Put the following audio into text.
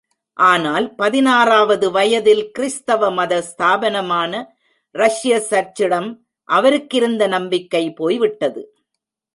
ஆனால், பதினாறாவது வயதில் கிறிஸ்தவ மத ஸ்தாபனமான ரஷ்ய சர்ச்சிடம் அவருக்கிருந்த நம்பிக்கை போய்விட்டது.